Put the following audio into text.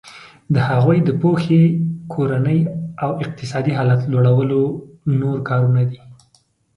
د هغوی د پوهې کورني او اقتصادي حالت لوړول نور کارونه دي.